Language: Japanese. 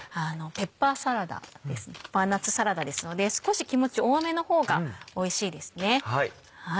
ペッパーナッツサラダですので少し気持ち多めの方がおいしいですね。